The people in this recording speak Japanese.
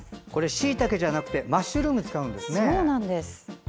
しいたけじゃなくてマッシュルーム使うんですね。